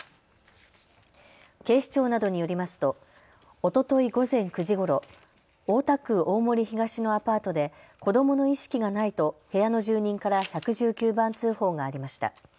警視庁などによりますとおととい午前９時ごろ、大田区大森東のアパートで子どもの意識がないと部屋の住人から１１９番通報がありました。